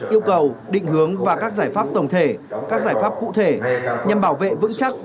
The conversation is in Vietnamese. yêu cầu định hướng và các giải pháp tổng thể các giải pháp cụ thể nhằm bảo vệ vững chắc